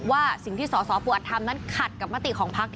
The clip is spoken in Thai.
ว่าสิ่งที่สสปูอัดทำนั้นขัดกับมติของพัก